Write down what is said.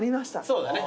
そうだね。